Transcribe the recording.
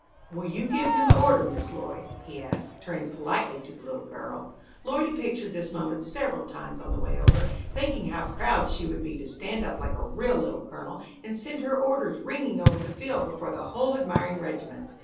"Will you give him the order, Miss Lloyd?" he asked, turning politely to the little girl. Lloyd had pictured this moment several times on the way over, thinking how proud she would be to stand up like a real Little Colonel and send her orders ringing over the field before the whole admiring regiment.